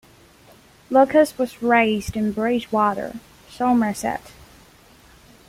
Luckes was raised in Bridgwater, Somerset.